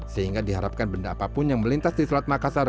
sehingga diharapkan benda apapun yang melintas di selat makassar